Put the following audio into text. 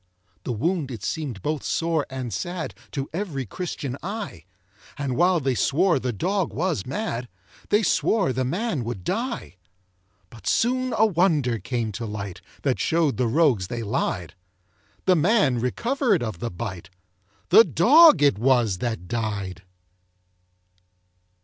The wound it seem'd both sore and sad To every Christian eye; And while they swore the dog was mad, They swore the man would die. But soon a wonder came to light, That show'd the rogues they lied: The man recover'd of the bite The dog it was that died.